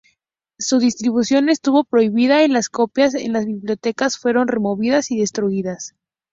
Su distribución estuvo prohibida y las copias en las bibliotecas fueron removidas y destruidas.